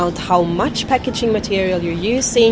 ini juga tentang berapa banyak material yang digunakan